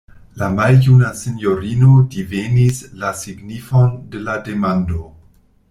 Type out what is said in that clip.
La maljuna sinjorino divenis la signifon de la demando.